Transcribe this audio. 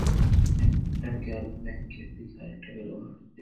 একটা গেল ব্যাঙ্কের দিকে, আর-একটা ঘরের দিকে।